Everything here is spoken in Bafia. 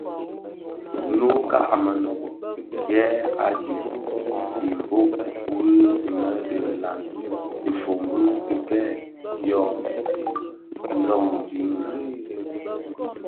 Nnouka a Mënōbō yè adyèm i mbōg wui inne dhi nlaňi dhifombi di kidèè dyo londinga.